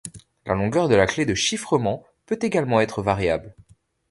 La longueur de la clé de chiffrement peut également être variable.